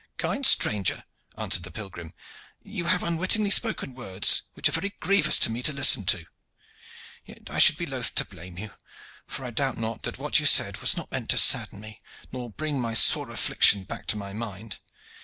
"Kind stranger," answered the pilgrim, "you have unwittingly spoken words which are very grievous to me to listen to. Yet I should be loth to blame you, for I doubt not that what you said was not meant to sadden me, nor to bring my sore affliction back to my mind.